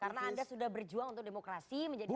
karena anda sudah berjuang untuk demokrasi menjadi aktivis